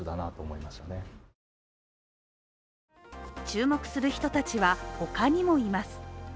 注目する人たちは他にもいます。